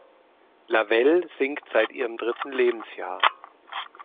Lavelle singt seit ihrem dritten Lebensjahr.